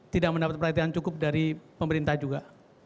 tidak mendapat perhatian cukup dari pemerintah juga